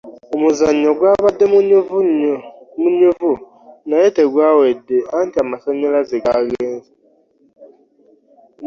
Omuzannyo gwabadde munyuvu naye tegwawedde anti amasannyalaze gaagenze.